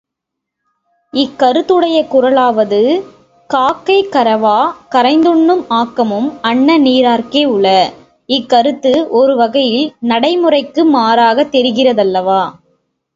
இக்கருத்துடைய குறளாவது காக்கை கரவா கரைந்துண்ணும் ஆக்கமும் அன்னநீ ரார்க்கே உள இக்கருத்து ஒருவகையில் நடைமுறைக்கு மாறாகத் தெரிகிறதல்லவா?